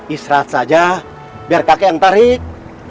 istirahat saja biar kakek yang tarik